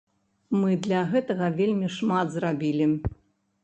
Мы для гэтага вельмі шмат зрабілі.